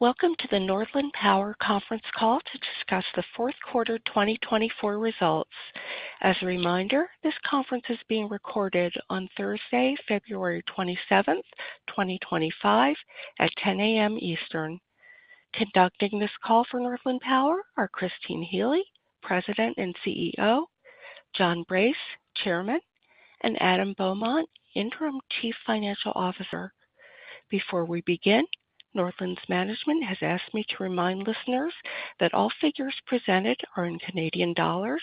Welcome to the Northland Power conference call to discuss the fourth quarter 2024 results. As a reminder, this conference is being recorded on Thursday, February 27th, 2025, at 10:00 A.M. Eastern. Conducting this call for Northland Power are Christine Healy, President and CEO, John Brace, Chairman, and Adam Beaumont, Interim Chief Financial Officer. Before we begin, Northland's management has asked me to remind listeners that all figures presented are in Canadian dollars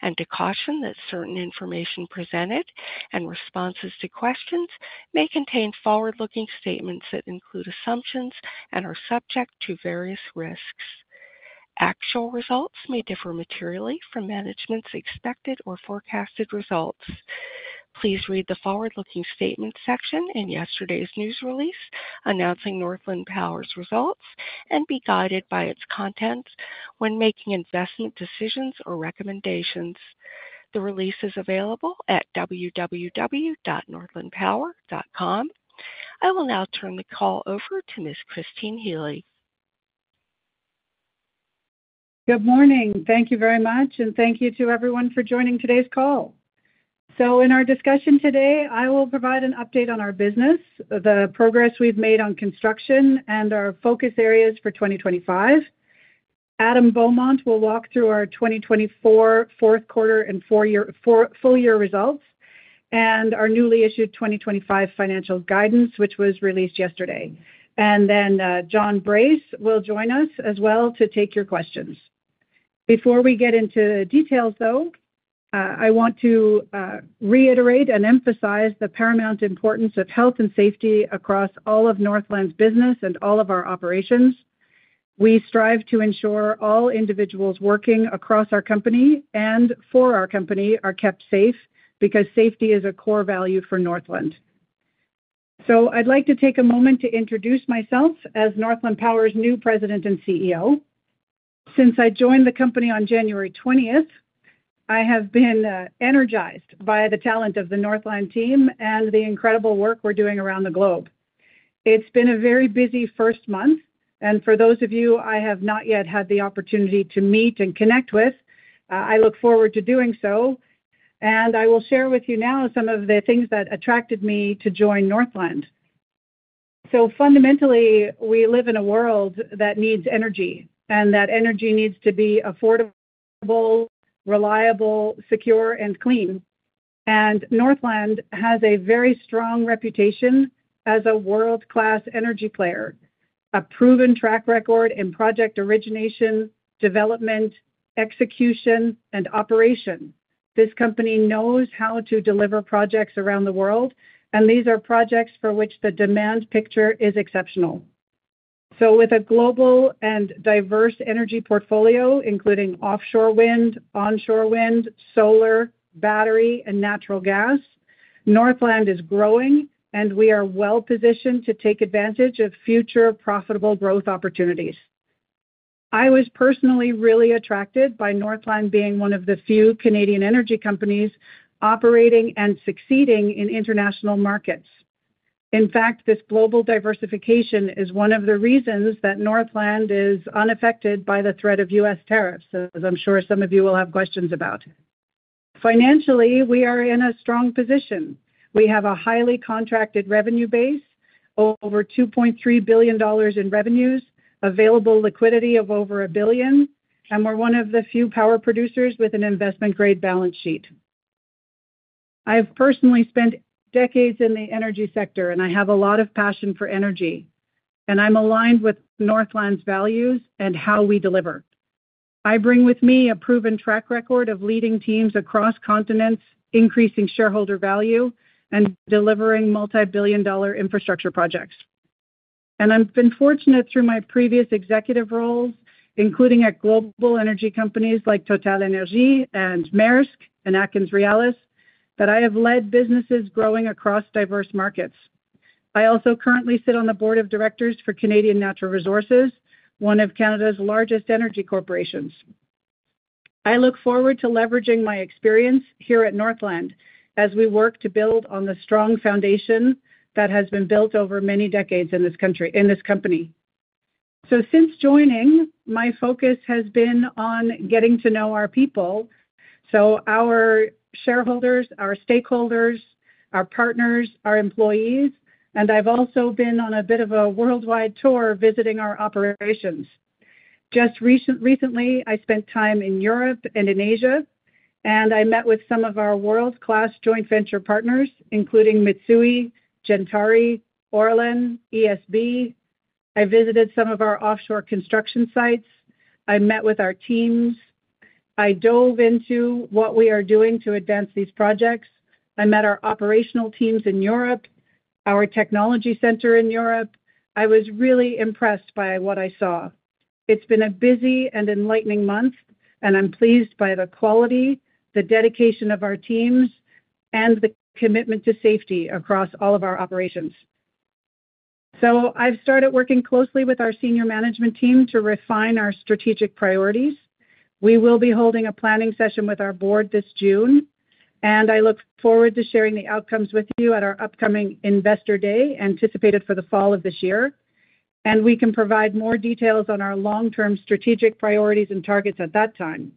and to caution that certain information presented and responses to questions may contain forward-looking statements that include assumptions and are subject to various risks. Actual results may differ materially from management's expected or forecasted results. Please read the forward-looking statements section in yesterday's news release announcing Northland Power's results and be guided by its contents when making investment decisions or recommendations. The release is available at www.northlandpower.com. I will now turn the call over to Ms. Christine Healy. Good morning. Thank you very much, and thank you to everyone for joining today's call. So in our discussion today, I will provide an update on our business, the progress we've made on construction, and our focus areas for 2025. Adam Beaumont will walk through our 2024 fourth quarter and full-year results and our newly issued 2025 financial guidance, which was released yesterday, and then John Brace will join us as well to take your questions. Before we get into details, though, I want to reiterate and emphasize the paramount importance of health and safety across all of Northland's business and all of our operations. We strive to ensure all individuals working across our company and for our company are kept safe because safety is a core value for Northland. So I'd like to take a moment to introduce myself as Northland Power's new President and CEO. Since I joined the company on January 20th, I have been energized by the talent of the Northland team and the incredible work we're doing around the globe. It's been a very busy first month, and for those of you I have not yet had the opportunity to meet and connect with, I look forward to doing so, and I will share with you now some of the things that attracted me to join Northland. So fundamentally, we live in a world that needs energy, and that energy needs to be affordable, reliable, secure, and clean. And Northland has a very strong reputation as a world-class energy player, a proven track record in project origination, development, execution, and operation. This company knows how to deliver projects around the world, and these are projects for which the demand picture is exceptional. So with a global and diverse energy portfolio, including offshore wind, onshore wind, solar, battery, and natural gas, Northland is growing, and we are well-positioned to take advantage of future profitable growth opportunities. I was personally really attracted by Northland being one of the few Canadian energy companies operating and succeeding in international markets. In fact, this global diversification is one of the reasons that Northland is unaffected by the threat of U.S. tariffs, as I'm sure some of you will have questions about. Financially, we are in a strong position. We have a highly contracted revenue base, over 2.3 billion dollars in revenues, available liquidity of over 1 billion, and we're one of the few power producers with an investment-grade balance sheet. I have personally spent decades in the energy sector, and I have a lot of passion for energy, and I'm aligned with Northland's values and how we deliver. I bring with me a proven track record of leading teams across continents, increasing shareholder value, and delivering multi-billion dollar infrastructure projects, and I've been fortunate through my previous executive roles, including at global energy companies like TotalEnergies and Maersk and AtkinsRéalis, that I have led businesses growing across diverse markets. I also currently sit on the board of directors for Canadian Natural Resources, one of Canada's largest energy corporations. I look forward to leveraging my experience here at Northland as we work to build on the strong foundation that has been built over many decades in this company, so since joining, my focus has been on getting to know our people, so our shareholders, our stakeholders, our partners, our employees, and I've also been on a bit of a worldwide tour visiting our operations. Just recently, I spent time in Europe and in Asia, and I met with some of our world-class joint venture partners, including Mitsui, Gentari, Orlen, ESB. I visited some of our offshore construction sites. I met with our teams. I dove into what we are doing to advance these projects. I met our operational teams in Europe, our technology center in Europe. I was really impressed by what I saw. It's been a busy and enlightening month, and I'm pleased by the quality, the dedication of our teams, and the commitment to safety across all of our operations. So I've started working closely with our senior management team to refine our strategic priorities. We will be holding a planning session with our board this June, and I look forward to sharing the outcomes with you at our upcoming Investor Day, anticipated for the fall of this year, and we can provide more details on our long-term strategic priorities and targets at that time.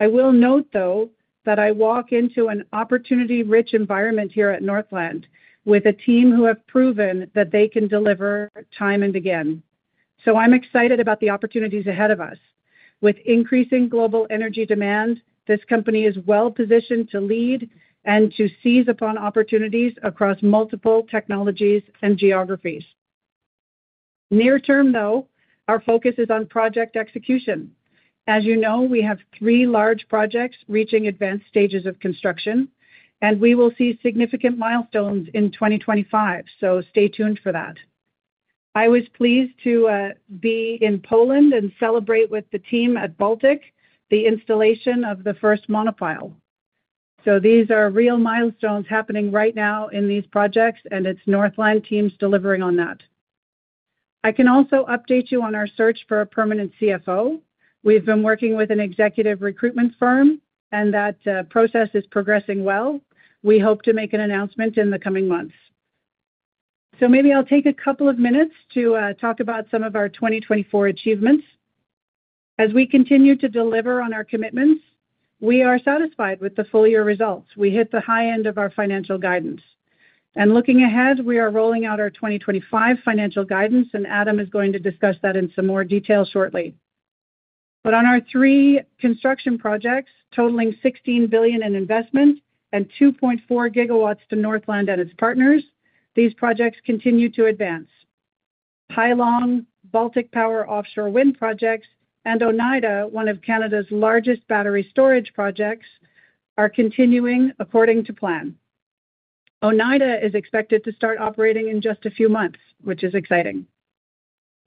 I will note, though, that I walk into an opportunity-rich environment here at Northland with a team who have proven that they can deliver time and again. So I'm excited about the opportunities ahead of us. With increasing global energy demand, this company is well-positioned to lead and to seize upon opportunities across multiple technologies and geographies. Near-term, though, our focus is on project execution. As you know, we have three large projects reaching advanced stages of construction, and we will see significant milestones in 2025, so stay tuned for that. I was pleased to be in Poland and celebrate with the team at Baltic, the installation of the first monopile, so these are real milestones happening right now in these projects, and it's Northland Power's team delivering on that. I can also update you on our search for a permanent CFO. We've been working with an executive recruitment firm, and that process is progressing well. We hope to make an announcement in the coming months, so maybe I'll take a couple of minutes to talk about some of our 2024 achievements. As we continue to deliver on our commitments, we are satisfied with the full-year results. We hit the high end of our financial guidance, and looking ahead, we are rolling out our 2025 financial guidance, and Adam is going to discuss that in some more detail shortly. But on our three construction projects totaling $16 billion in investment and 2.4 gigawatts to Northland and its partners, these projects continue to advance. Hai Long, Baltic Power offshore wind project, and Oneida, one of Canada's largest battery storage projects, are continuing according to plan. Oneida is expected to start operating in just a few months, which is exciting.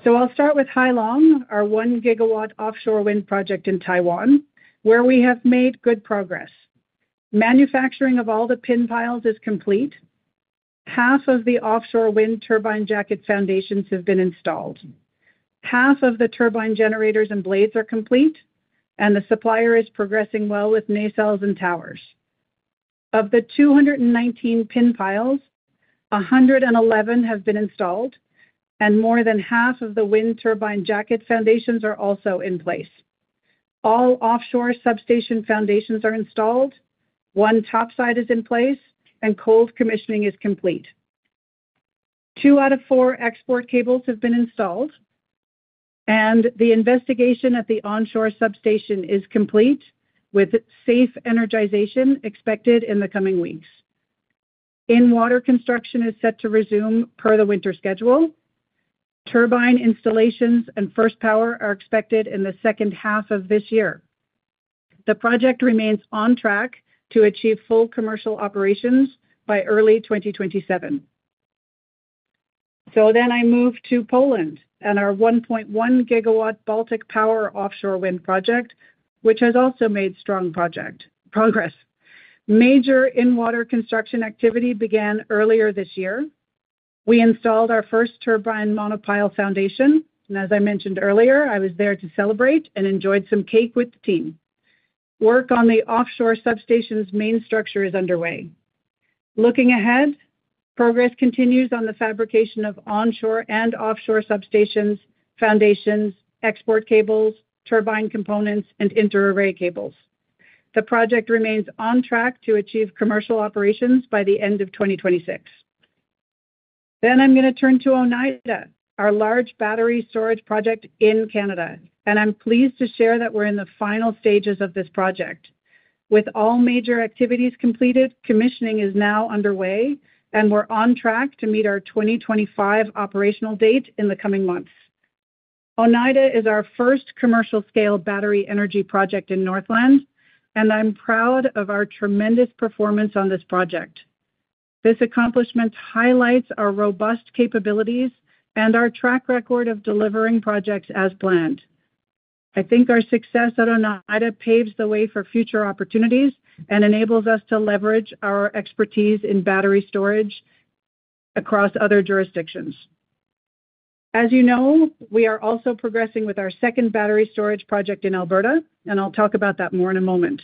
So I'll start with Hai Long, our one-gigawatt offshore wind project in Taiwan, where we have made good progress. Manufacturing of all the pin piles is complete. Half of the offshore wind turbine jacket foundations have been installed. Half of the turbine generators and blades are complete, and the supplier is progressing well with nacelles and towers. Of the 219 pin piles, 111 have been installed, and more than half of the wind turbine jacket foundations are also in place. All offshore substation foundations are installed. One topside is in place, and cold commissioning is complete. Two out of four export cables have been installed, and the investigation at the onshore substation is complete, with safe energization expected in the coming weeks. In-water construction is set to resume per the winter schedule. Turbine installations and first power are expected in the second half of this year. The project remains on track to achieve full commercial operations by early 2027. So then I move to Poland and our 1.1-gigawatt Baltic Power offshore wind project, which has also made strong progress. Major in-water construction activity began earlier this year. We installed our first turbine monopile foundation, and as I mentioned earlier, I was there to celebrate and enjoyed some cake with the team. Work on the offshore substation's main structure is underway. Looking ahead, progress continues on the fabrication of onshore and offshore substations, foundations, export cables, turbine components, and inter-array cables. The project remains on track to achieve commercial operations by the end of 2026. Then I'm going to turn to Oneida, our large battery storage project in Canada, and I'm pleased to share that we're in the final stages of this project. With all major activities completed, commissioning is now underway, and we're on track to meet our 2025 operational date in the coming months. Oneida is our first commercial-scale battery energy project in Northland, and I'm proud of our tremendous performance on this project. This accomplishment highlights our robust capabilities and our track record of delivering projects as planned. I think our success at Oneida paves the way for future opportunities and enables us to leverage our expertise in battery storage across other jurisdictions. As you know, we are also progressing with our second battery storage project in Alberta, and I'll talk about that more in a moment.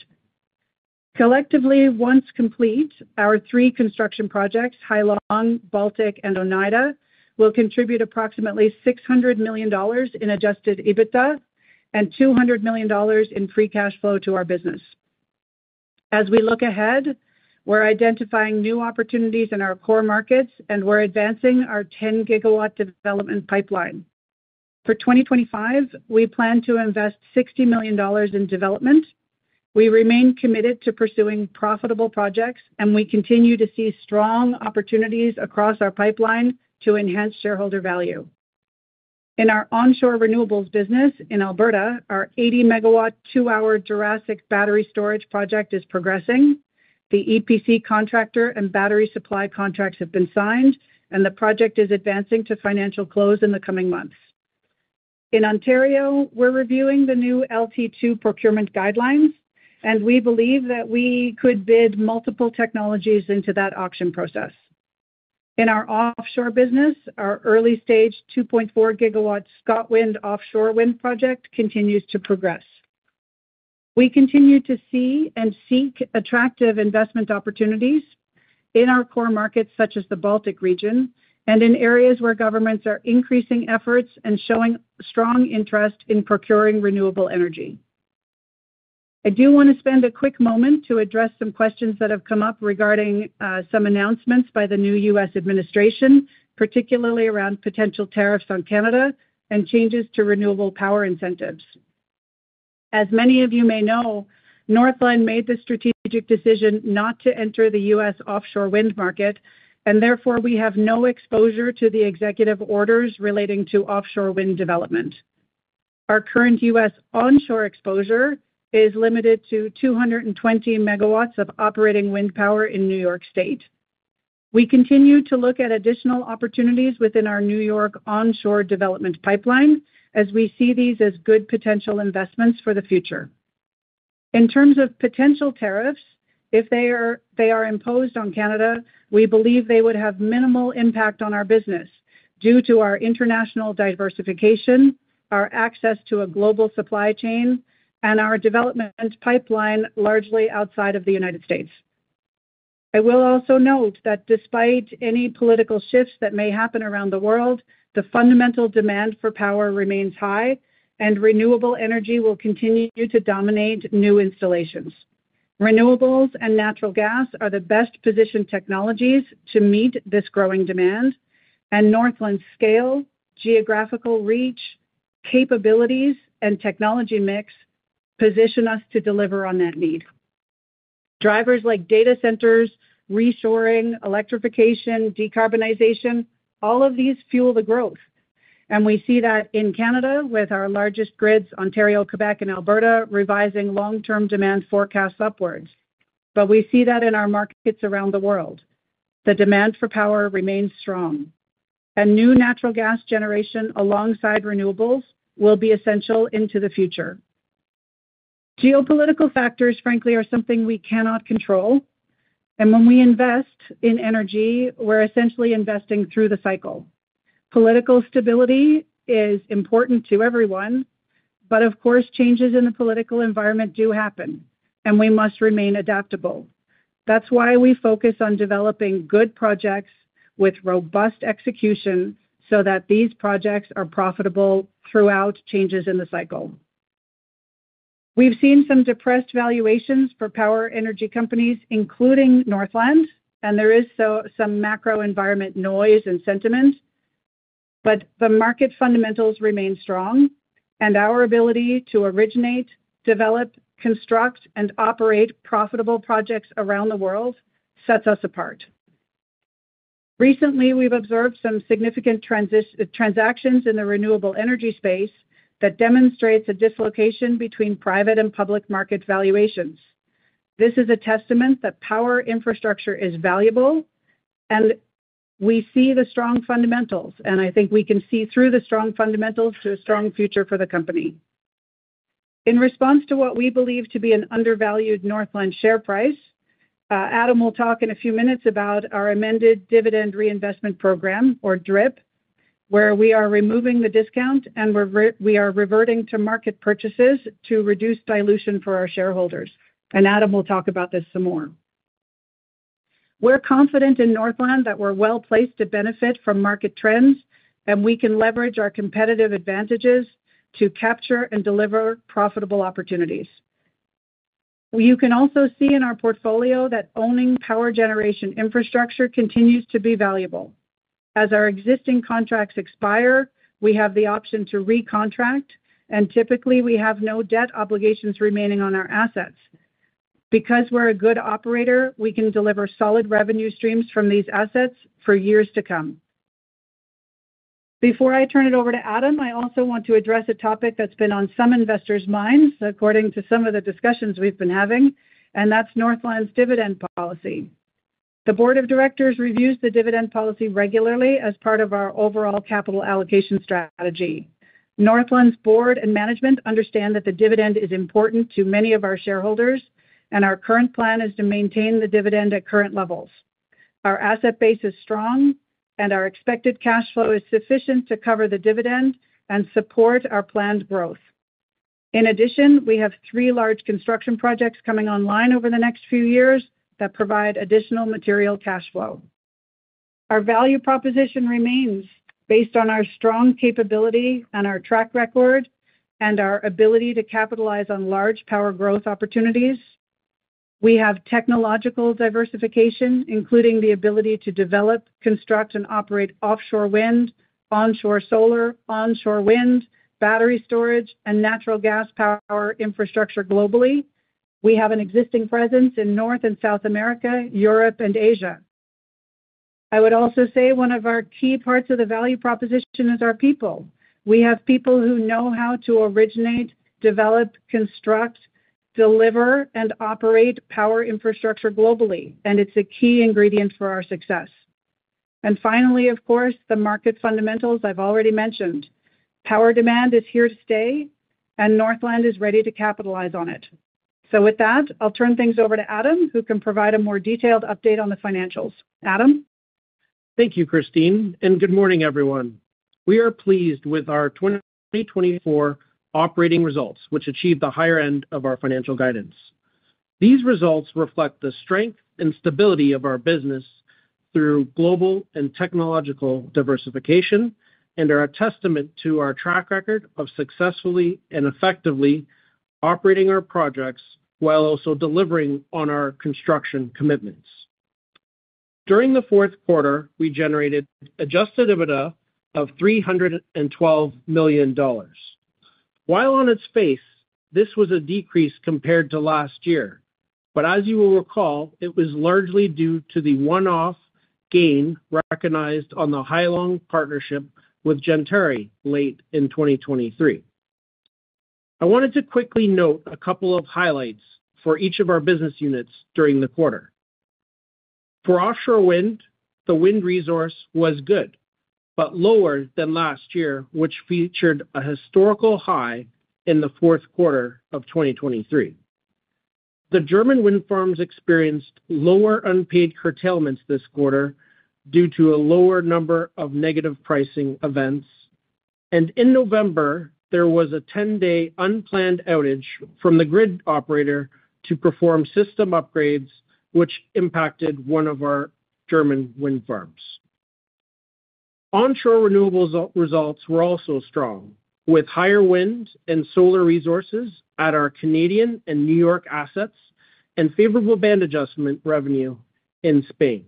Collectively, once complete, our three construction projects, Hai Long, Baltic Power, and Oneida, will contribute approximately 600 million dollars in adjusted EBITDA and 200 million dollars in free cash flow to our business. As we look ahead, we're identifying new opportunities in our core markets, and we're advancing our 10-gigawatt development pipeline. For 2025, we plan to invest 60 million dollars in development. We remain committed to pursuing profitable projects, and we continue to see strong opportunities across our pipeline to enhance shareholder value. In our onshore renewables business in Alberta, our 80-megawatt two-hour Jurassic battery storage project is progressing. The EPC contractor and battery supply contracts have been signed, and the project is advancing to financial close in the coming months. In Ontario, we're reviewing the new LT2 procurement guidelines, and we believe that we could bid multiple technologies into that auction process. In our offshore business, our early-stage 2.4 gigawatt ScotWind offshore wind project continues to progress. We continue to see and seek attractive investment opportunities in our core markets, such as the Baltic region, and in areas where governments are increasing efforts and showing strong interest in procuring renewable energy. I do want to spend a quick moment to address some questions that have come up regarding some announcements by the new U.S. administration, particularly around potential tariffs on Canada and changes to renewable power incentives. As many of you may know, Northland made the strategic decision not to enter the U.S. offshore wind market, and therefore we have no exposure to the executive orders relating to offshore wind development. Our current U.S. onshore exposure is limited to 220 megawatts of operating wind power in New York State. We continue to look at additional opportunities within our New York onshore development pipeline as we see these as good potential investments for the future. In terms of potential tariffs, if they are imposed on Canada, we believe they would have minimal impact on our business due to our international diversification, our access to a global supply chain, and our development pipeline largely outside of the United States. I will also note that despite any political shifts that may happen around the world, the fundamental demand for power remains high, and renewable energy will continue to dominate new installations. Renewables and natural gas are the best-positioned technologies to meet this growing demand, and Northland's scale, geographical reach, capabilities, and technology mix position us to deliver on that need. Drivers like data centers, reshoring, electrification, decarbonization, all of these fuel the growth, and we see that in Canada with our largest grids, Ontario, Quebec, and Alberta, revising long-term demand forecasts upward. But we see that in our markets around the world. The demand for power remains strong, and new natural gas generation alongside renewables will be essential into the future. Geopolitical factors, frankly, are something we cannot control, and when we invest in energy, we're essentially investing through the cycle. Political stability is important to everyone, but of course, changes in the political environment do happen, and we must remain adaptable. That's why we focus on developing good projects with robust execution so that these projects are profitable throughout changes in the cycle. We've seen some depressed valuations for power energy companies, including Northland, and there is some macro environment noise and sentiment, but the market fundamentals remain strong, and our ability to originate, develop, construct, and operate profitable projects around the world sets us apart. Recently, we've observed some significant transactions in the renewable energy space that demonstrate a dislocation between private and public market valuations. This is a testament that power infrastructure is valuable, and we see the strong fundamentals, and I think we can see through the strong fundamentals to a strong future for the company. In response to what we believe to be an undervalued Northland share price, Adam will talk in a few minutes about our amended dividend reinvestment program, or DRIP, where we are removing the discount, and we are reverting to market purchases to reduce dilution for our shareholders, and Adam will talk about this some more. We're confident in Northland that we're well placed to benefit from market trends, and we can leverage our competitive advantages to capture and deliver profitable opportunities. You can also see in our portfolio that owning power generation infrastructure continues to be valuable. As our existing contracts expire, we have the option to recontract, and typically we have no debt obligations remaining on our assets. Because we're a good operator, we can deliver solid revenue streams from these assets for years to come. Before I turn it over to Adam, I also want to address a topic that's been on some investors' minds, according to some of the discussions we've been having, and that's Northland's dividend policy. The board of directors reviews the dividend policy regularly as part of our overall capital allocation strategy. Northland's board and management understand that the dividend is important to many of our shareholders, and our current plan is to maintain the dividend at current levels. Our asset base is strong, and our expected cash flow is sufficient to cover the dividend and support our planned growth. In addition, we have three large construction projects coming online over the next few years that provide additional material cash flow. Our value proposition remains based on our strong capability and our track record and our ability to capitalize on large power growth opportunities. We have technological diversification, including the ability to develop, construct, and operate offshore wind, onshore solar, onshore wind, battery storage, and natural gas power infrastructure globally. We have an existing presence in North and South America, Europe, and Asia. I would also say one of our key parts of the value proposition is our people. We have people who know how to originate, develop, construct, deliver, and operate power infrastructure globally, and it's a key ingredient for our success. And finally, of course, the market fundamentals I've already mentioned. Power demand is here to stay, and Northland is ready to capitalize on it. So with that, I'll turn things over to Adam, who can provide a more detailed update on the financials. Adam? Thank you, Christine, and good morning, everyone. We are pleased with our 2024 operating results, which achieved the higher end of our financial guidance. These results reflect the strength and stability of our business through global and technological diversification and are a testament to our track record of successfully and effectively operating our projects while also delivering on our construction commitments. During the fourth quarter, we generated adjusted EBITDA of 312 million dollars. While on its face, this was a decrease compared to last year, but as you will recall, it was largely due to the one-off gain recognized on the Hai Long partnership with Gentari late in 2023. I wanted to quickly note a couple of highlights for each of our business units during the quarter. For offshore wind, the wind resource was good, but lower than last year, which featured a historical high in the fourth quarter of 2023. The German wind farms experienced lower unpaid curtailments this quarter due to a lower number of negative pricing events, and in November, there was a 10-day unplanned outage from the grid operator to perform system upgrades, which impacted one of our German wind farms. Onshore renewables results were also strong, with higher wind and solar resources at our Canadian and New York assets and favorable band adjustment revenue in Spain.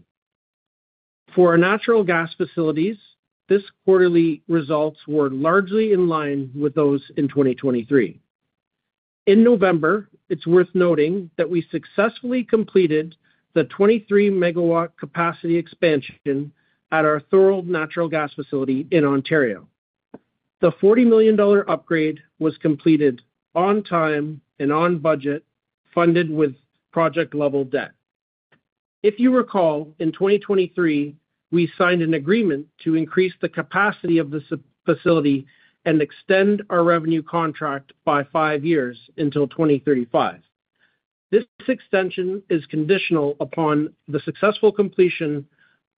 For our natural gas facilities, this quarterly results were largely in line with those in 2023. In November, it's worth noting that we successfully completed the 23-megawatt capacity expansion at our Thorold natural gas facility in Ontario. The 40 million dollar upgrade was completed on time and on budget, funded with project-level debt. If you recall, in 2023, we signed an agreement to increase the capacity of the facility and extend our revenue contract by five years until 2035. This extension is conditional upon the successful completion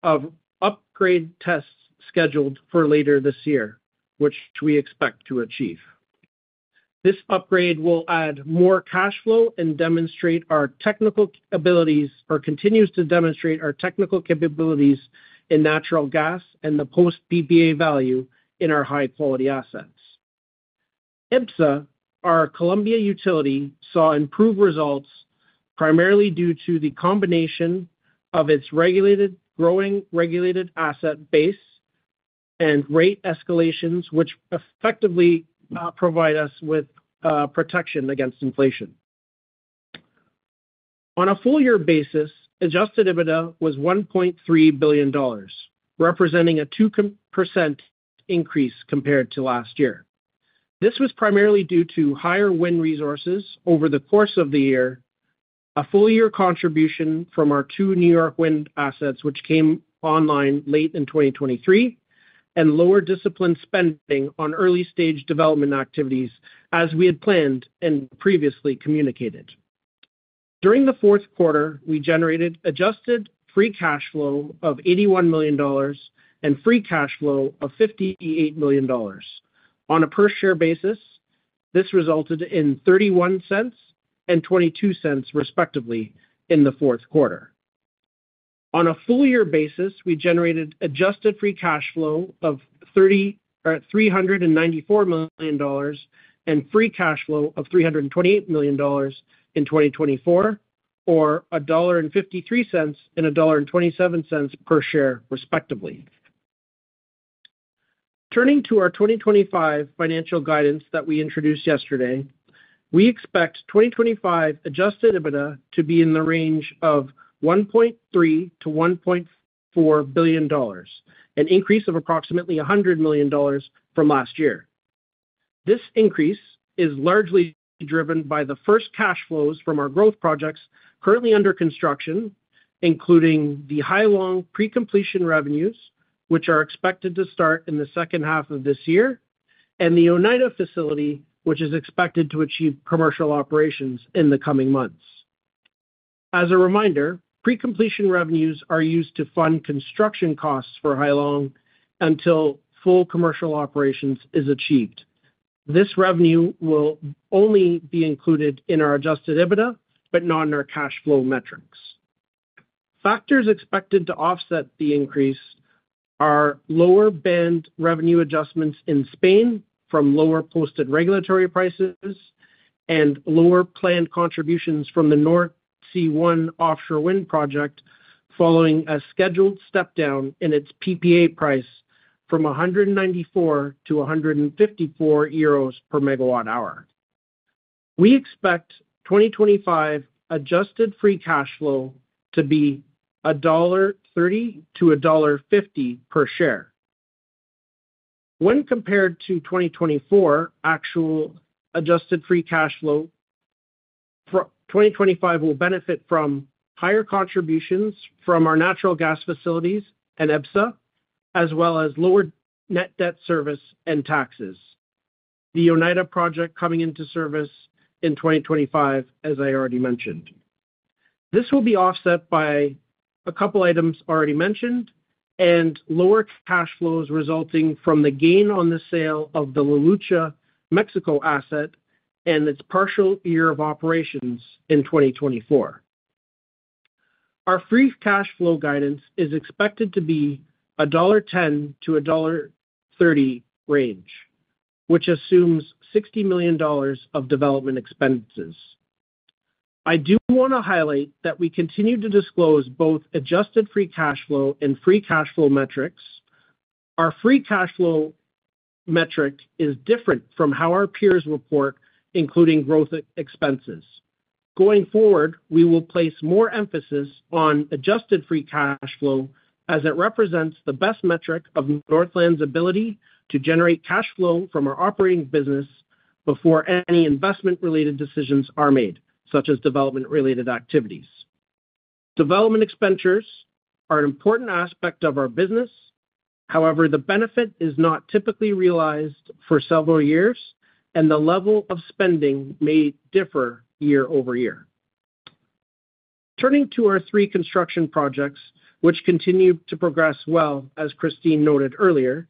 of upgrade tests scheduled for later this year, which we expect to achieve. This upgrade will add more cash flow and demonstrate our technical capabilities or continues to demonstrate our technical capabilities in natural gas and the post PPA value in our high-quality assets. EBSA, our Colombia utility, saw improved results primarily due to the combination of its growing regulated asset base and rate escalations, which effectively provide us with protection against inflation. On a full-year basis, adjusted EBITDA was 1.3 billion dollars, representing a 2% increase compared to last year. This was primarily due to higher wind resources over the course of the year, a full-year contribution from our two New York wind assets, which came online late in 2023, and lower discretionary spending on early-stage development activities, as we had planned and previously communicated. During the fourth quarter, we generated adjusted free cash flow of 81 million dollars and free cash flow of 58 million dollars. On a per-share basis, this resulted in 0.31 and 0.22, respectively, in the fourth quarter. On a full-year basis, we generated adjusted free cash flow of 394 million dollars and free cash flow of 328 million dollars in 2024, or CAD 1.53 and 1.27 dollar per share, respectively. Turning to our 2025 financial guidance that we introduced yesterday, we expect 2025 adjusted EBITDA to be in the range of 1.3 billion-1.4 billion dollars, an increase of approximately 100 million dollars from last year. This increase is largely driven by the first cash flows from our growth projects currently under construction, including the Hai Long pre-completion revenues, which are expected to start in the second half of this year, and the Oneida facility, which is expected to achieve commercial operations in the coming months. As a reminder, pre-completion revenues are used to fund construction costs for Hai Long until full commercial operations are achieved. This revenue will only be included in our adjusted EBITDA, but not in our cash flow metrics. Factors expected to offset the increase are lower band revenue adjustments in Spain from lower posted regulatory prices and lower planned contributions from the Nordsee One offshore wind project following a scheduled step down in its PPA price from 194 to 154 euros per megawatt hour. We expect 2025 adjusted free cash flow to be 1.30-1.50 dollar per share. When compared to 2024 actual adjusted free cash flow, 2025 will benefit from higher contributions from our natural gas facilities and EBSA, as well as lower net debt service and taxes. The Oneida project coming into service in 2025, as I already mentioned. This will be offset by a couple of items already mentioned and lower cash flows resulting from the gain on the sale of the La Lucha Mexico asset and its partial year of operations in 2024. Our free cash flow guidance is expected to be 1.10-1.30 dollar range, which assumes 60 million dollars of development expenses. I do want to highlight that we continue to disclose both adjusted free cash flow and free cash flow metrics. Our free cash flow metric is different from how our peers report, including growth expenses. Going forward, we will place more emphasis on adjusted free cash flow as it represents the best metric of Northland's ability to generate cash flow from our operating business before any investment-related decisions are made, such as development-related activities. Development expenditures are an important aspect of our business. However, the benefit is not typically realized for several years, and the level of spending may differ year over year. Turning to our three construction projects, which continue to progress well, as Christine noted earlier,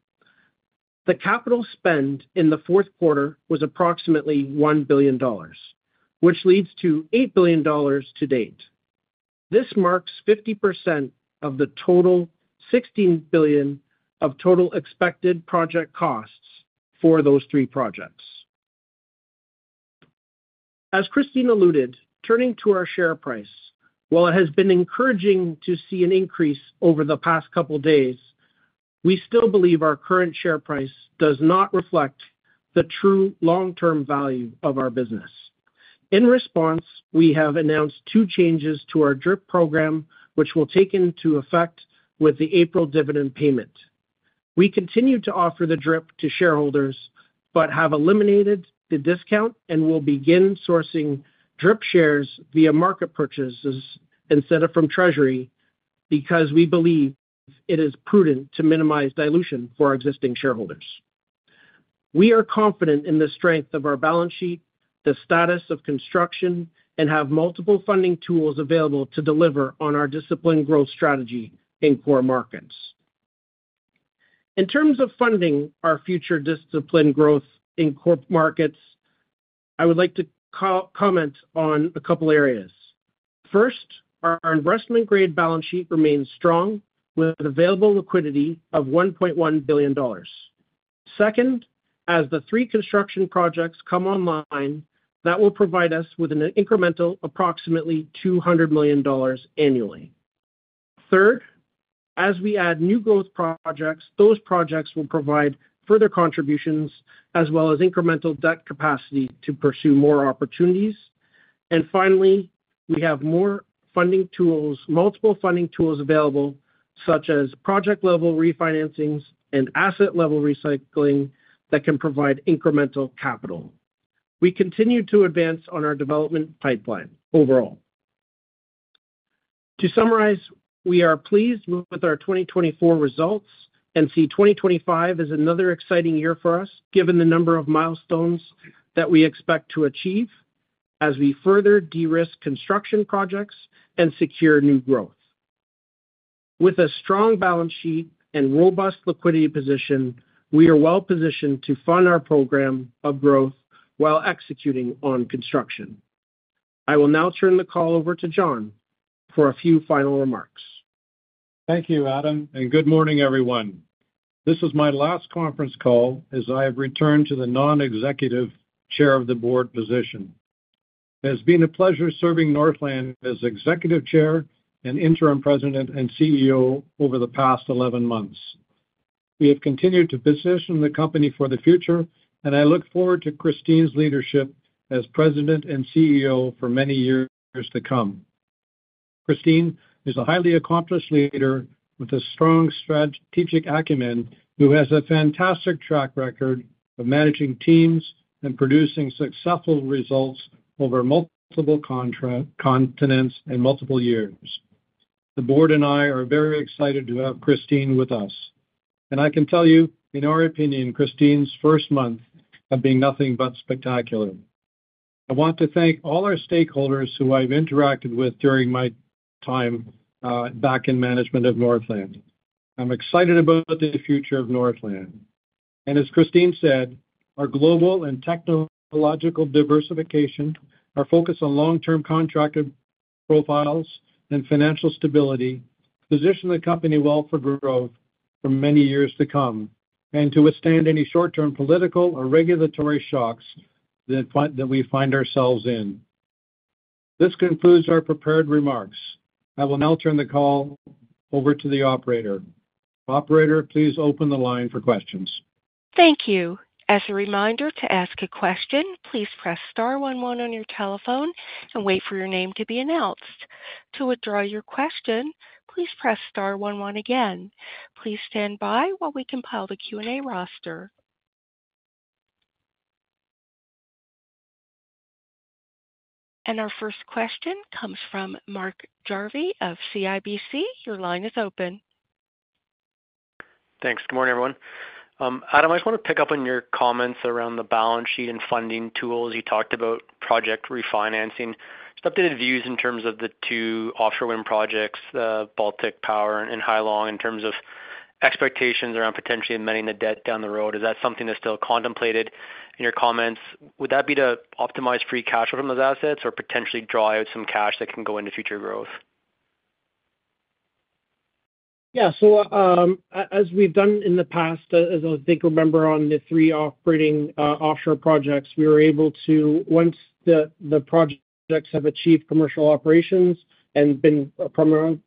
the capital spend in the fourth quarter was approximately 1 billion dollars, which leads to 8 billion dollars to date. This marks 50% of the total 16 billion of total expected project costs for those three projects. As Christine alluded, turning to our share price, while it has been encouraging to see an increase over the past couple of days, we still believe our current share price does not reflect the true long-term value of our business. In response, we have announced two changes to our DRIP program, which will take into effect with the April dividend payment. We continue to offer the DRIP to shareholders, but have eliminated the discount and will begin sourcing DRIP shares via market purchases instead of from treasury because we believe it is prudent to minimize dilution for our existing shareholders. We are confident in the strength of our balance sheet, the status of construction, and have multiple funding tools available to deliver on our disciplined growth strategy in core markets. In terms of funding our future disciplined growth in core markets, I would like to comment on a couple of areas. First, our investment-grade balance sheet remains strong with available liquidity of 1.1 billion dollars. Second, as the three construction projects come online, that will provide us with an incremental of approximately 200 million dollars annually. Third, as we add new growth projects, those projects will provide further contributions as well as incremental debt capacity to pursue more opportunities. And finally, we have more multiple funding tools available, such as project-level refinancings and asset-level recycling that can provide incremental capital. We continue to advance on our development pipeline overall. To summarize, we are pleased with our 2024 results and see 2025 as another exciting year for us, given the number of milestones that we expect to achieve as we further de-risk construction projects and secure new growth. With a strong balance sheet and robust liquidity position, we are well positioned to fund our program of growth while executing on construction. I will now turn the call over to John for a few final remarks. Thank you, Adam, and good morning, everyone. This is my last conference call as I have returned to the non-executive Chair of the Board position. It has been a pleasure serving Northland Power as Executive Chair and Interim President and CEO over the past 11 months. We have continued to position the company for the future, and I look forward to Christine's leadership as President and CEO for many years to come. Christine is a highly accomplished leader with a strong strategic acumen who has a fantastic track record of managing teams and producing successful results over multiple continents and multiple years. The board and I are very excited to have Christine with us, and I can tell you, in our opinion, Christine's first month has been nothing but spectacular. I want to thank all our stakeholders who I've interacted with during my time back in management of Northland. I'm excited about the future of Northland, and as Christine said, our global and technological diversification, our focus on long-term contract profiles, and financial stability position the company well for growth for many years to come and to withstand any short-term political or regulatory shocks that we find ourselves in. This concludes our prepared remarks. I will now turn the call over to the operator. Operator, please open the line for questions. Thank you. As a reminder to ask a question, please press star 11 on your telephone and wait for your name to be announced. To withdraw your question, please press star 11 again. Please stand by while we compile the Q&A roster. And our first question comes from Mark Jarvi of CIBC. Your line is open. Thanks. Good morning, everyone. Adam, I just want to pick up on your comments around the balance sheet and funding tools. You talked about project refinancing. Just updated views in terms of the two offshore wind projects, the Baltic Power and Hai Long, in terms of expectations around potentially amending the debt down the road. Is that something that's still contemplated in your comments? Would that be to optimize free cash flow from those assets or potentially draw out some cash that can go into future growth? Yeah. So as we've done in the past, as I think remember on the three operating offshore projects, we were able to, once the projects have achieved commercial operations and been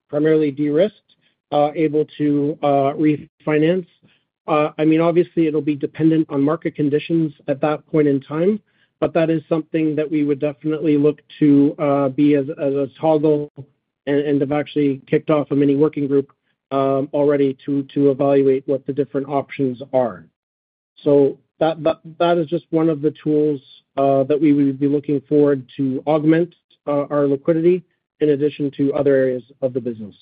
primarily de-risked, able to refinance. I mean, obviously, it'll be dependent on market conditions at that point in time, but that is something that we would definitely look to be as a toggle and have actually kicked off a mini working group already to evaluate what the different options are. That is just one of the tools that we would be looking forward to augment our liquidity in addition to other areas of the business.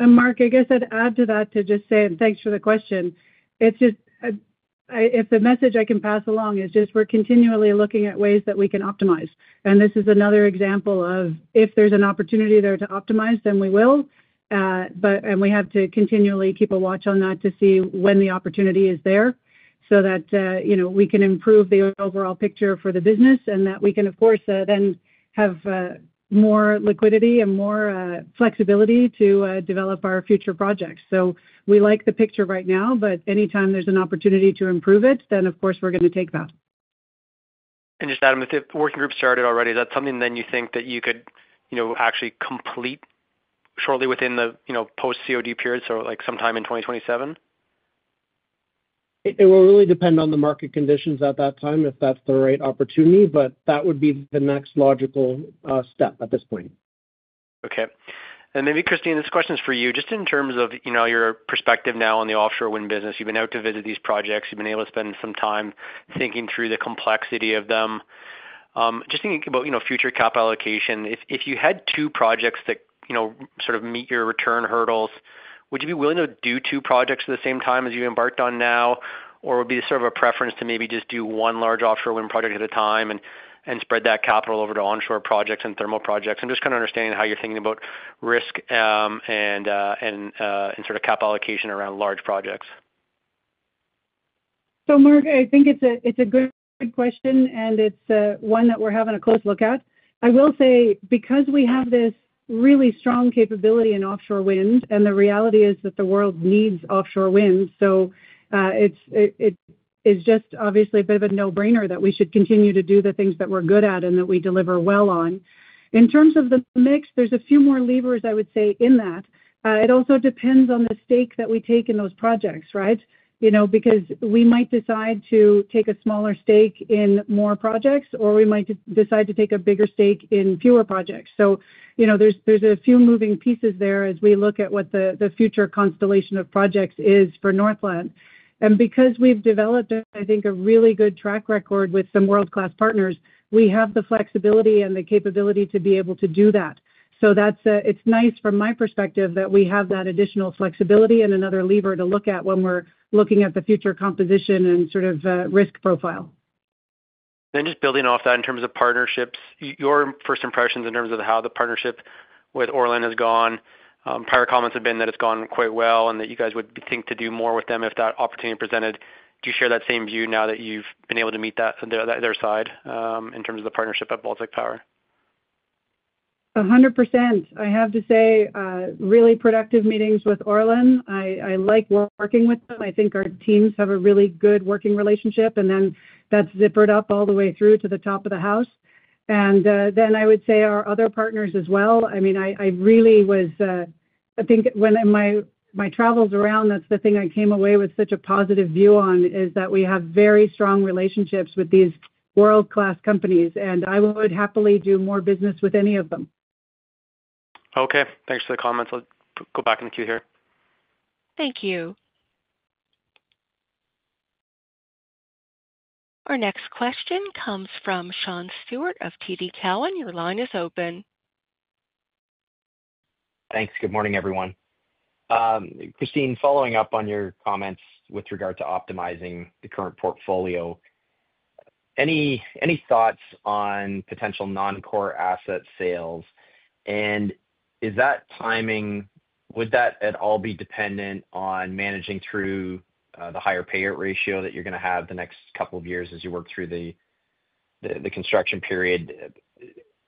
And Mark, I guess I'd add to that, to just say, and thanks for the question. It's just if the message I can pass along is just we're continually looking at ways that we can optimize, and this is another example of if there's an opportunity there to optimize, then we will, and we have to continually keep a watch on that to see when the opportunity is there so that we can improve the overall picture for the business and that we can, of course, then have more liquidity and more flexibility to develop our future projects. So we like the picture right now, but anytime there's an opportunity to improve it, then, of course, we're going to take that. And just, Adam, if the working group started already, is that something then you think that you could actually complete shortly within the post-COD period, so sometime in 2027? It will really depend on the market conditions at that time if that's the right opportunity, but that would be the next logical step at this point. Okay. And maybe, Christine, this question is for you. Just in terms of your perspective now on the offshore wind business, you've been able to visit these projects, you've been able to spend some time thinking through the complexity of them. Just thinking about future cap allocation, if you had two projects that sort of meet your return hurdles, would you be willing to do two projects at the same time as you embarked on now, or would be sort of a preference to maybe just do one large offshore wind project at a time and spread that capital over to onshore projects and thermal projects? I'm just kind of understanding how you're thinking about risk and sort of cap allocation around large projects. So Mark, I think it's a good question, and it's one that we're having a close look at. I will say, because we have this really strong capability in offshore wind, and the reality is that the world needs offshore wind, so it is just obviously a bit of a no-brainer that we should continue to do the things that we're good at and that we deliver well on. In terms of the mix, there's a few more levers, I would say, in that. It also depends on the stake that we take in those projects, right? Because we might decide to take a smaller stake in more projects, or we might decide to take a bigger stake in fewer projects. So there's a few moving pieces there as we look at what the future constellation of projects is for Northland. Because we've developed, I think, a really good track record with some world-class partners, we have the flexibility and the capability to be able to do that. So it's nice from my perspective that we have that additional flexibility and another lever to look at when we're looking at the future composition and sort of risk profile. Just building off that in terms of partnerships, your first impressions in terms of how the partnership with Orlen has gone, prior comments have been that it's gone quite well and that you guys would think to do more with them if that opportunity presented. Do you share that same view now that you've been able to meet that on their side in terms of the partnership at Baltic Power? 100%. I have to say really productive meetings with Orlen. I like working with them. I think our teams have a really good working relationship, and then that's zippered up all the way through to the top of the house. And then I would say our other partners as well. I mean, I really was I think when my travels around, that's the thing I came away with such a positive view on, is that we have very strong relationships with these world-class companies, and I would happily do more business with any of them. Okay. Thanks for the comments. I'll go back into queue here. Thank you. Our next question comes from Sean Steuart of TD Cowen. Your line is open. Thanks. Good morning, everyone. Christine, following up on your comments with regard to optimizing the current portfolio, any thoughts on potential non-core asset sales? Is that timing, would that at all be dependent on managing through the higher payout ratio that you're going to have the next couple of years as you work through the construction period?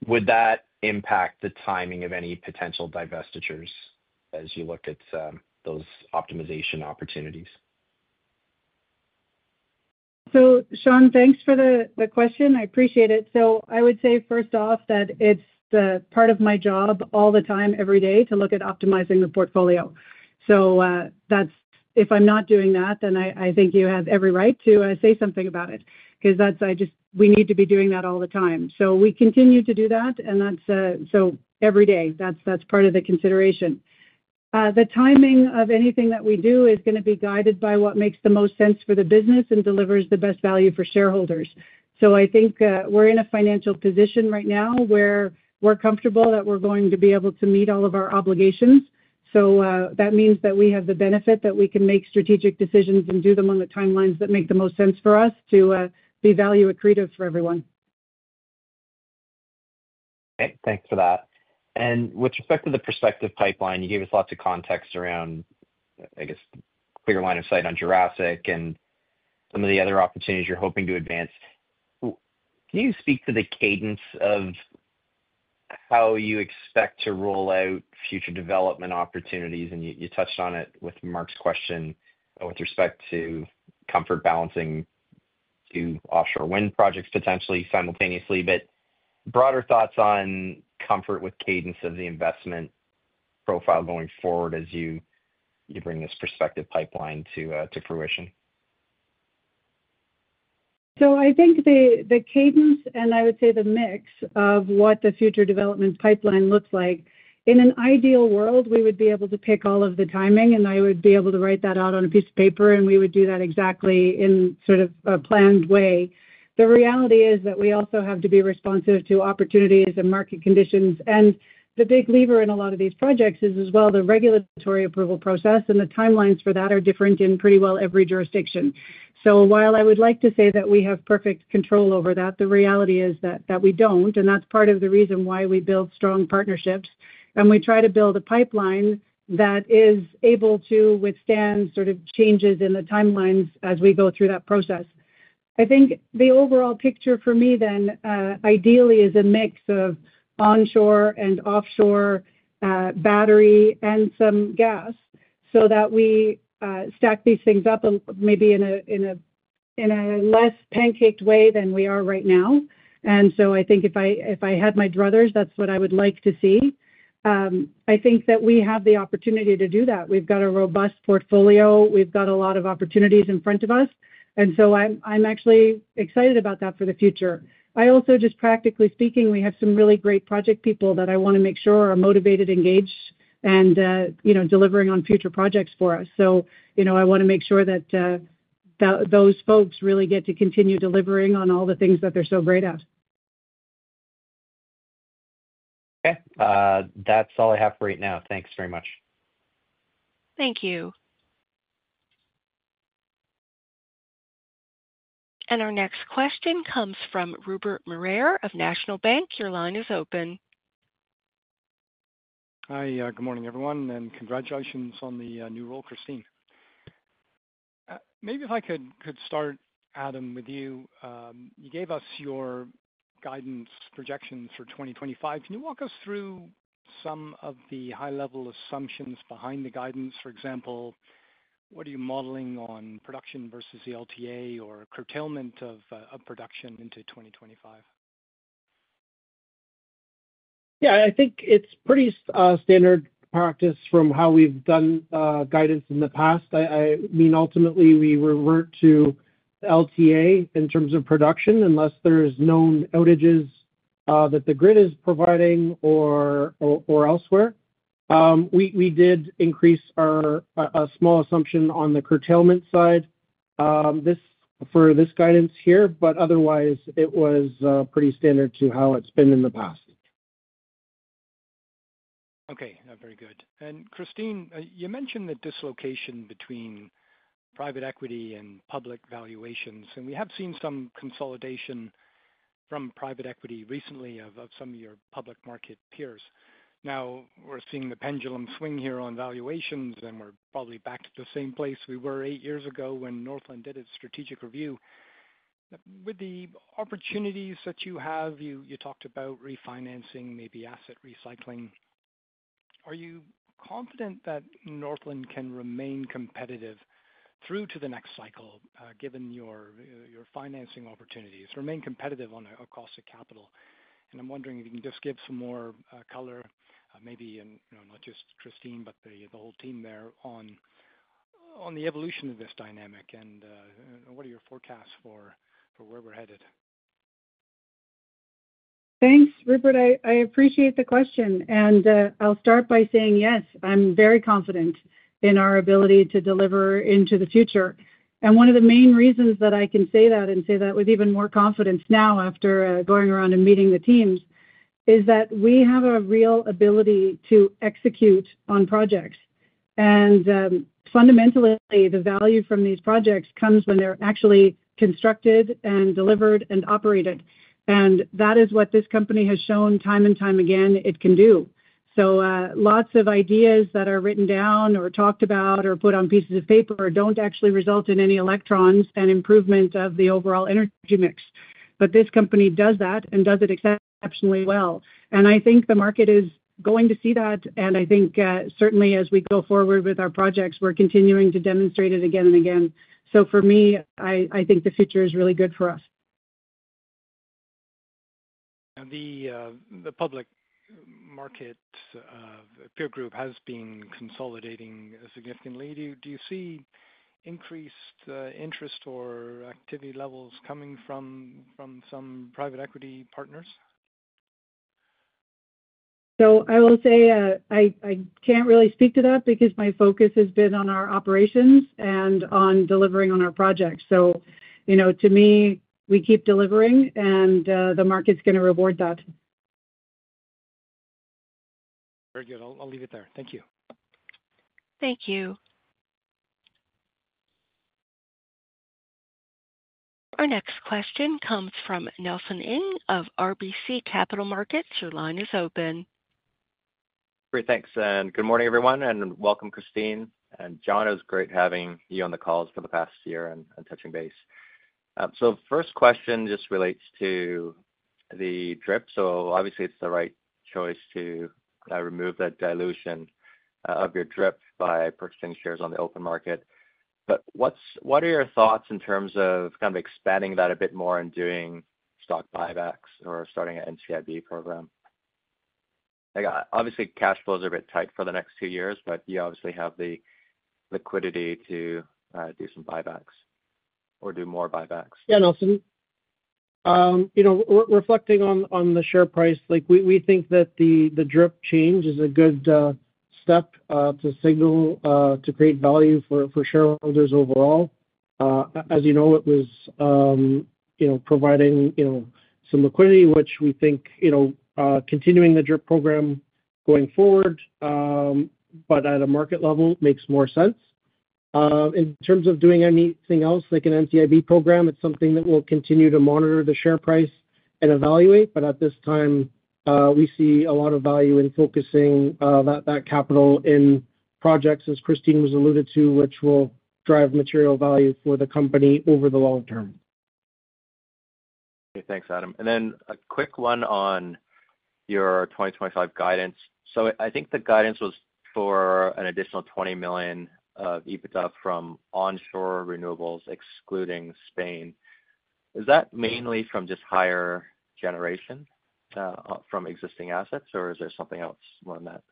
Would that impact the timing of any potential divestitures as you look at those optimization opportunities? Sean, thanks for the question. I appreciate it. I would say, first off, that it's part of my job all the time, every day, to look at optimizing the portfolio. If I'm not doing that, then I think you have every right to say something about it because we need to be doing that all the time. We continue to do that, and every day, that's part of the consideration. The timing of anything that we do is going to be guided by what makes the most sense for the business and delivers the best value for shareholders. So I think we're in a financial position right now where we're comfortable that we're going to be able to meet all of our obligations. So that means that we have the benefit that we can make strategic decisions and do them on the timelines that make the most sense for us to be value accretive for everyone. Okay. Thanks for that. And with respect to the prospective pipeline, you gave us lots of context around, I guess, clear line of sight on Jurassic and some of the other opportunities you're hoping to advance. Can you speak to the cadence of how you expect to roll out future development opportunities? And you touched on it with Mark's question with respect to comfort with balancing two offshore wind projects potentially simultaneously, but broader thoughts on comfort with cadence of the investment profile going forward as you bring this prospective pipeline to fruition? So I think the cadence, and I would say the mix of what the future development pipeline looks like, in an ideal world, we would be able to pick all of the timing, and I would be able to write that out on a piece of paper, and we would do that exactly in sort of a planned way. The reality is that we also have to be responsive to opportunities and market conditions. And the big lever in a lot of these projects is as well the regulatory approval process, and the timelines for that are different in pretty well every jurisdiction. So while I would like to say that we have perfect control over that, the reality is that we don't. And that's part of the reason why we build strong partnerships, and we try to build a pipeline that is able to withstand sort of changes in the timelines as we go through that process. I think the overall picture for me then, ideally, is a mix of onshore and offshore battery and some gas so that we stack these things up maybe in a less pancaked way than we are right now. And so I think if I had my druthers, that's what I would like to see. I think that we have the opportunity to do that. We've got a robust portfolio. We've got a lot of opportunities in front of us. And so I'm actually excited about that for the future. I also, just practically speaking, we have some really great project people that I want to make sure are motivated, engaged, and delivering on future projects for us. So I want to make sure that those folks really get to continue delivering on all the things that they're so great at. Okay. That's all I have for right now. Thanks very much. Thank you. Our next question comes from Rupert Merer of National Bank. Your line is open. Hi. Good morning, everyone. And congratulations on the new role, Christine. Maybe if I could start, Adam, with you. You gave us your guidance projections for 2025. Can you walk us through some of the high-level assumptions behind the guidance? For example, what are you modeling on production versus the LTA or curtailment of production into 2025? Yeah. I think it's pretty standard practice from how we've done guidance in the past. I mean, ultimately, we revert to LTA in terms of production unless there are known outages that the grid is providing or elsewhere. We did increase a small assumption on the curtailment side for this guidance here, but otherwise, it was pretty standard to how it's been in the past. Okay. Very good, and Christine, you mentioned the dislocation between private equity and public valuations, and we have seen some consolidation from private equity recently of some of your public market peers. Now, we're seeing the pendulum swing here on valuations, and we're probably back to the same place we were eight years ago when Northland did its strategic review. With the opportunities that you have, you talked about refinancing, maybe asset recycling. Are you confident that Northland can remain competitive through to the next cycle, given your financing opportunities, remain competitive on a cost of capital? I'm wondering if you can just give some more color, maybe not just Christine, but the whole team there on the evolution of this dynamic, and what are your forecasts for where we're headed? Thanks, Rupert. I appreciate the question. I'll start by saying, yes, I'm very confident in our ability to deliver into the future. One of the main reasons that I can say that and say that with even more confidence now after going around and meeting the teams is that we have a real ability to execute on projects. Fundamentally, the value from these projects comes when they're actually constructed and delivered and operated. That is what this company has shown time and time again it can do. So lots of ideas that are written down or talked about or put on pieces of paper don't actually result in any electrons and improvement of the overall energy mix. But this company does that and does it exceptionally well. And I think the market is going to see that, and I think certainly, as we go forward with our projects, we're continuing to demonstrate it again and again. So for me, I think the future is really good for us. And the public market peer group has been consolidating significantly. Do you see increased interest or activity levels coming from some private equity partners? So I will say I can't really speak to that because my focus has been on our operations and on delivering on our projects. So to me, we keep delivering, and the market's going to reward that. Very good. I'll leave it there. Thank you. Thank you. Our next question comes from Nelson Ng of RBC Capital Markets. Your line is open. Great. Thanks. And good morning, everyone. And welcome, Christine. And John, it was great having you on the calls for the past year and touching base. So first question just relates to the DRIP. So obviously, it's the right choice to remove that dilution of your DRIP by purchasing shares on the open market. But what are your thoughts in terms of kind of expanding that a bit more and doing stock buybacks or starting an NCIB program? Obviously, cash flows are a bit tight for the next two years, but you obviously have the liquidity to do some buybacks or do more buybacks. Yeah, Nelson. Reflecting on the share price, we think that the DRIP change is a good step to signal to create value for shareholders overall. As you know, it was providing some liquidity, which we think continuing the DRIP program going forward, but at a market level, makes more sense. In terms of doing anything else like an NCIB program, it's something that we'll continue to monitor the share price and evaluate. But at this time, we see a lot of value in focusing that capital in projects, as Christine alluded to, which will drive material value for the company over the long term. Okay. Thanks, Adam. And then a quick one on your 2025 guidance. So I think the guidance was for an additional 20 million of EBITDA from onshore renewables, excluding Spain. Is that mainly from just higher generation from existing assets, or is there something else on that?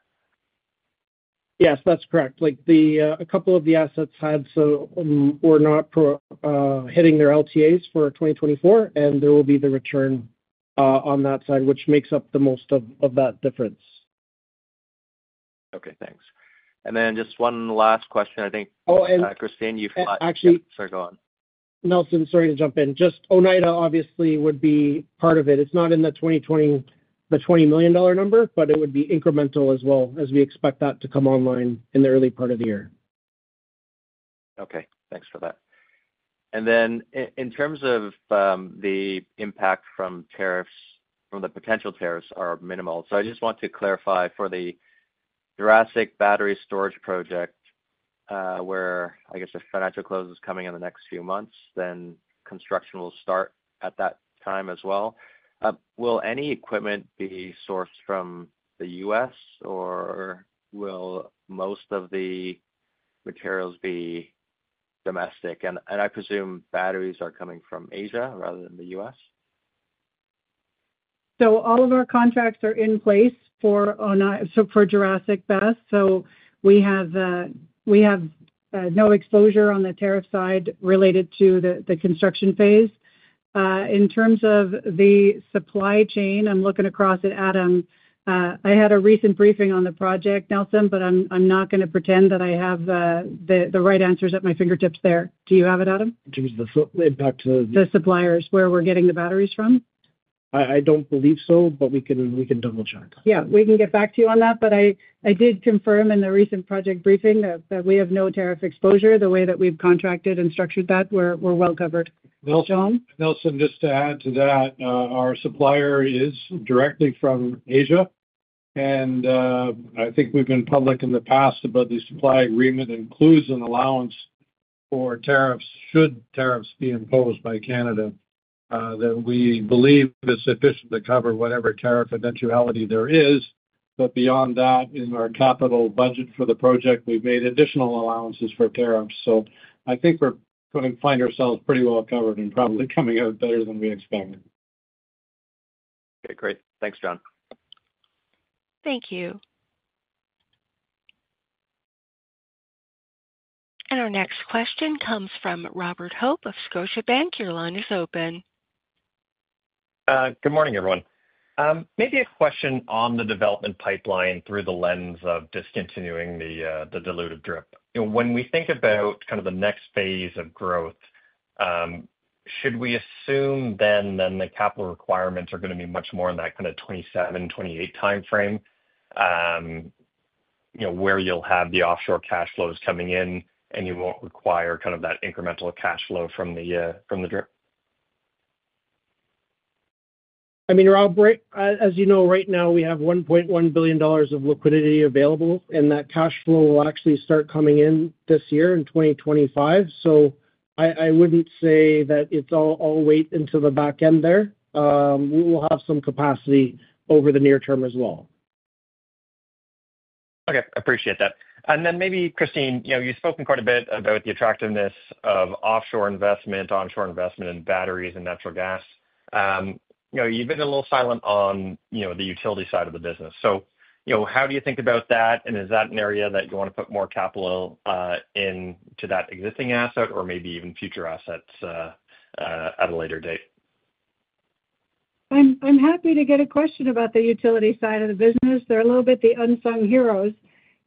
Yes, that's correct. A couple of the assets had, so were not hitting their LTAs for 2024, and there will be the return on that side, which makes up the most of that difference. Okay. Thanks. And then just one last question, I think. Christine, you've got to. Sorry, go on. Oh, and Nelson, sorry to jump in. Just Oneida obviously would be part of it. It's not in the 20 million dollar number, but it would be incremental as well as we expect that to come online in the early part of the year. Okay. Thanks for that. And then in terms of the impact from potential tariffs, are minimal. So I just want to clarify for the Jurassic battery storage project where, I guess, the financial close is coming in the next few months, then construction will start at that time as well. Will any equipment be sourced from the U.S., or will most of the materials be domestic? And I presume batteries are coming from Asia rather than the U.S. So all of our contracts are in place for Jurassic BESS. So we have no exposure on the tariff side related to the construction phase. In terms of the supply chain, I'm looking across at Adam. I had a recent briefing on the project, Nelson, but I'm not going to pretend that I have the right answers at my fingertips there. Do you have it, Adam? In terms of the impact to the suppliers where we're getting the batteries from? I don't believe so, but we can double-check. Yeah. We can get back to you on that. But I did confirm in the recent project briefing that we have no tariff exposure. The way that we've contracted and structured that, we're well covered. Nelson. Nelson, just to add to that, our supplier is directly from Asia. And I think we've been public in the past about the supply agreement includes an allowance for tariffs should tariffs be imposed by Canada that we believe is sufficient to cover whatever tariff eventuality there is. But beyond that, in our capital budget for the project, we've made additional allowances for tariffs. So I think we're going to find ourselves pretty well covered and probably coming out better than we expected. Okay. Great. Thanks, John. Thank you. And our next question comes from Robert Hope of Scotiabank. Your line is open. Good morning, everyone. Maybe a question on the development pipeline through the lens of discontinuing the dilutive DRIP. When we think about kind of the next phase of growth, should we assume then that the capital requirements are going to be much more in that kind of 2027, 2028 timeframe where you'll have the offshore cash flows coming in, and you won't require kind of that incremental cash flow from the DRIP? I mean, Rob, as you know, right now, we have 1.1 billion dollars of liquidity available, and that cash flow will actually start coming in this year in 2025. So I wouldn't say that it's all wait until the back end there. We'll have some capacity over the near term as well. Okay. I appreciate that. And then maybe, Christine, you've spoken quite a bit about the attractiveness of offshore investment, onshore investment in batteries and natural gas. You've been a little silent on the utility side of the business. So how do you think about that? And is that an area that you want to put more capital into that existing asset or maybe even future assets at a later date? I'm happy to get a question about the utility side of the business. They're a little bit the unsung heroes.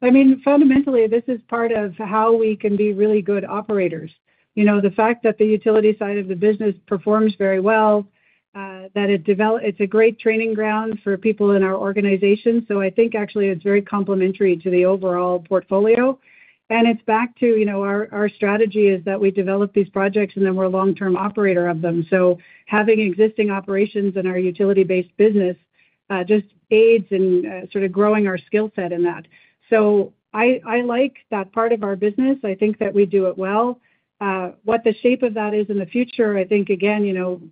I mean, fundamentally, this is part of how we can be really good operators. The fact that the utility side of the business performs very well, that it's a great training ground for people in our organization. So I think, actually, it's very complementary to the overall portfolio. And it's back to our strategy is that we develop these projects, and then we're a long-term operator of them. So having existing operations in our utility-based business just aids in sort of growing our skill set in that. So I like that part of our business. I think that we do it well. What the shape of that is in the future, I think, again,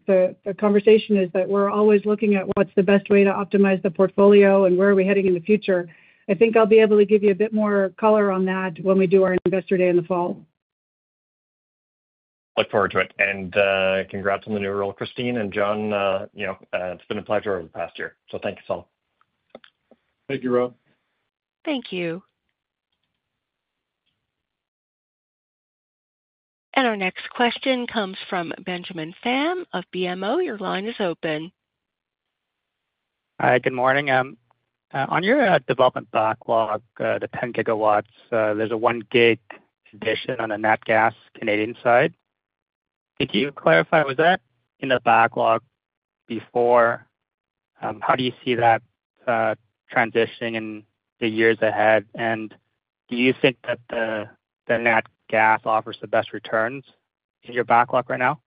the conversation is that we're always looking at what's the best way to optimize the portfolio and where are we heading in the future. I think I'll be able to give you a bit more color on that when we do our investor day in the fall. Look forward to it, and congrats on the new role, Christine, and John, it's been a pleasure over the past year. So thanks all. Thank you, Rob. Thank you. And our next question comes from Benjamin Pham of BMO. Your line is open. Hi. Good morning. On your development backlog, the 10 gigawatts, there's a one-gig addition on the nat gas Canadian side. Could you clarify? Was that in the backlog before? How do you see that transitioning in the years ahead? Do you think that the nat gas offers the best returns in your backlog right now?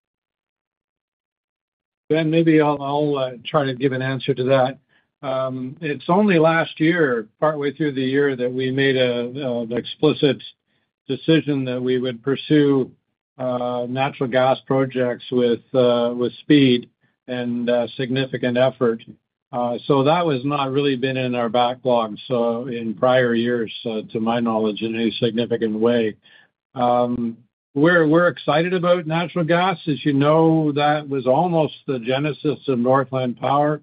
Maybe I'll try to give an answer to that. It's only last year, partway through the year, that we made an explicit decision that we would pursue natural gas projects with speed and significant effort. So that has not really been in our backlog in prior years, to my knowledge, in any significant way. We're excited about natural gas. As you know, that was almost the genesis of Northland Power.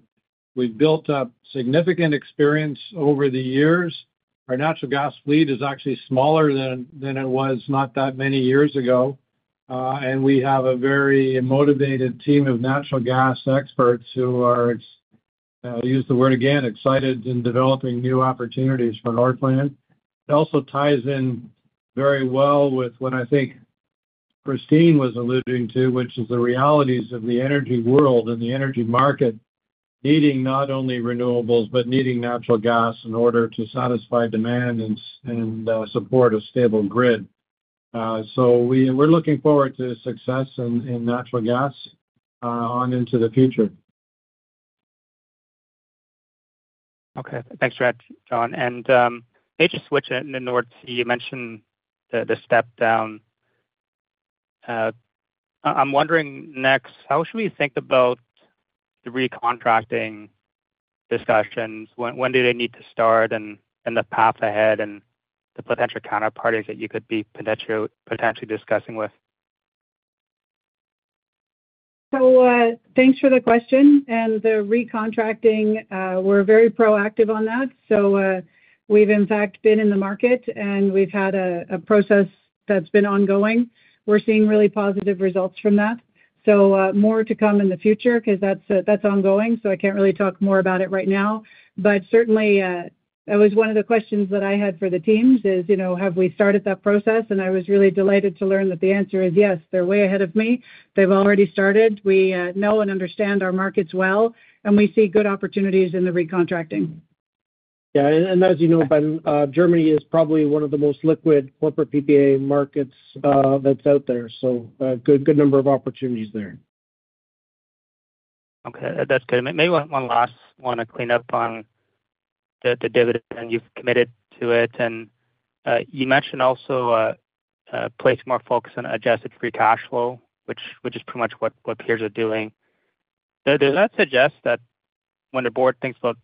We've built up significant experience over the years. Our natural gas fleet is actually smaller than it was not that many years ago. We have a very motivated team of natural gas experts who are, I'll use the word again, excited in developing new opportunities for Northland. It also ties in very well with what I think Christine was alluding to, which is the realities of the energy world and the energy market needing not only renewables but needing natural gas in order to satisfy demand and support a stable grid, so we're looking forward to success in natural gas on into the future. Okay. Thanks for that, John, and maybe just switch in the Nordsee. You mentioned the step down. I'm wondering next how should we think about the recontracting discussions? When do they need to start and the path ahead and the potential counterparties that you could be potentially discussing with? So thanks for the question, and the recontracting, we're very proactive on that, so we've, in fact, been in the market, and we've had a process that's been ongoing. We're seeing really positive results from that. So more to come in the future because that's ongoing. So I can't really talk more about it right now. But certainly, it was one of the questions that I had for the teams: have we started that process? And I was really delighted to learn that the answer is yes. They're way ahead of me. They've already started. We know and understand our markets well, and we see good opportunities in the recontracting. Yeah. And as you know, Germany is probably one of the most liquid corporate PPA markets that's out there. So a good number of opportunities there. Okay. That's good. Maybe one last one to clean up on the dividend. You've committed to it. And you mentioned also placing more focus on adjusted free cash flow, which is pretty much what peers are doing. Does that suggest that when the board thinks about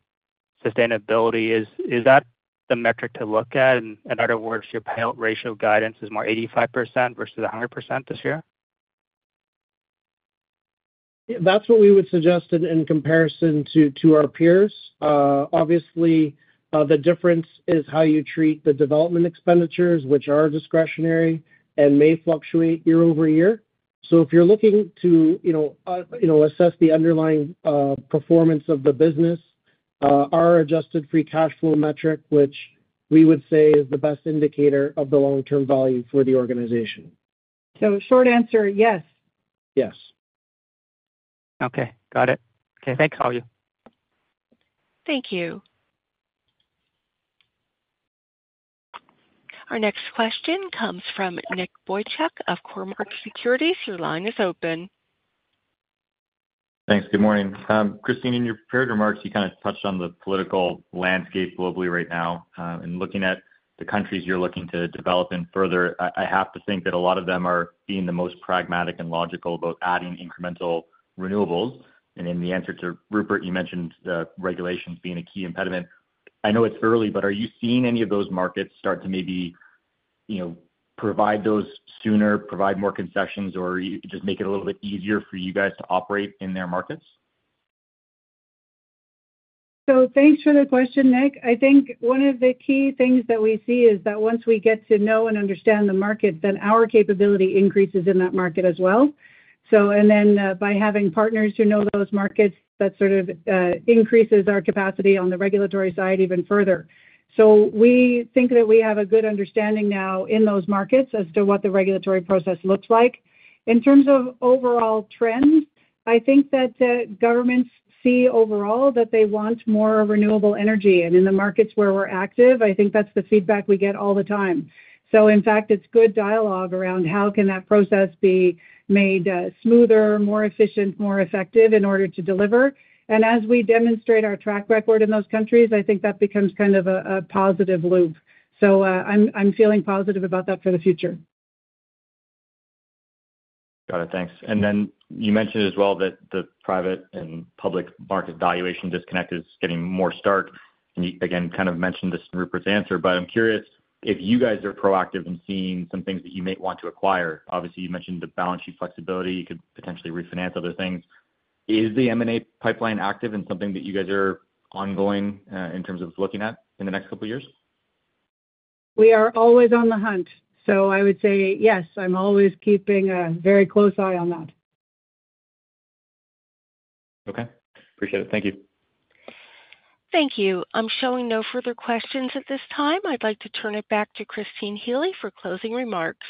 sustainability, is that the metric to look at? In other words, your payout ratio guidance is more 85% versus 100% this year? That's what we would suggest in comparison to our peers. Obviously, the difference is how you treat the development expenditures, which are discretionary and may fluctuate year over year. So if you're looking to assess the underlying performance of the business, our adjusted free cash flow metric, which we would say is the best indicator of the long-term value for the organization. So short answer, yes. Yes. Okay. Got it. Okay. Thanks, all of you. Thank you. Our next question comes from Nick Boychuk of Cormark Securities. Your line is open. Thanks. Good morning. Christine, in your prepared remarks, you kind of touched on the political landscape globally right now. Looking at the countries you're looking to develop in further, I have to think that a lot of them are being the most pragmatic and logical about adding incremental renewables. In the answer to Rupert, you mentioned regulations being a key impediment. I know it's early, but are you seeing any of those markets start to maybe provide those sooner, provide more concessions, or just make it a little bit easier for you guys to operate in their markets? Thanks for the question, Nick. I think one of the key things that we see is that once we get to know and understand the market, then our capability increases in that market as well. By having partners who know those markets, that sort of increases our capacity on the regulatory side even further. So we think that we have a good understanding now in those markets as to what the regulatory process looks like. In terms of overall trends, I think that governments see overall that they want more renewable energy. And in the markets where we're active, I think that's the feedback we get all the time. So in fact, it's good dialogue around how can that process be made smoother, more efficient, more effective in order to deliver. And as we demonstrate our track record in those countries, I think that becomes kind of a positive loop. So I'm feeling positive about that for the future. Got it. Thanks. And then you mentioned as well that the private and public market valuation disconnect is getting more stark. And you, again, kind of mentioned this in Rupert's answer, but I'm curious if you guys are proactive in seeing some things that you may want to acquire. Obviously, you mentioned the balance sheet flexibility. You could potentially refinance other things. Is the M&A pipeline active and something that you guys are ongoing in terms of looking at in the next couple of years? We are always on the hunt. So I would say, yes, I'm always keeping a very close eye on that. Okay. Appreciate it. Thank you. Thank you. I'm showing no further questions at this time. I'd like to turn it back to Christine Healy for closing remarks.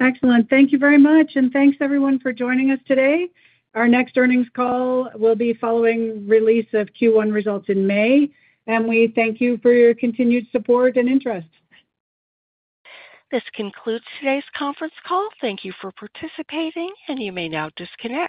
Excellent. Thank you very much. And thanks, everyone, for joining us today. Our next earnings call will be following release of Q1 results in May. And we thank you for your continued support and interest. This concludes today's conference call. Thank you for participating. And you may now disconnect.